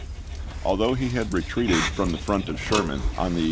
Although he had re treated from the front of Sherman, on the unani Vol.